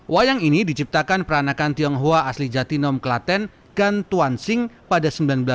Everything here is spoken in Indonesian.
wayang ini diciptakan peranakan tionghoa asli jatinom klaten kan tuan sing pada seribu sembilan ratus sembilan puluh